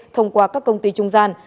thông qua các công ty trung gian